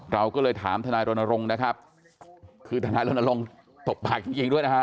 เราก็เลยถามทนายรณรงค์นะครับคือทนายรณรงค์ตบปากจริงด้วยนะฮะ